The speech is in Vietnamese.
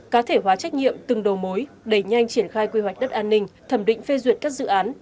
cá thể hóa trách nhiệm từng đầu mối đẩy nhanh triển khai quy hoạch đất an ninh thẩm định phê duyệt các dự án